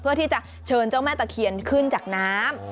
เพื่อที่จะเชิญเจ้าแม่ตะเคียนขึ้นจากน้ำ